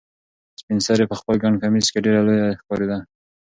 سپین سرې په خپل ګڼ کمیس کې ډېره لویه ښکارېده.